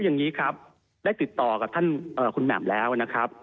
อย่างนี้ครับได้ติดต่อกับท่านคุณแหม่มแล้วนะครับ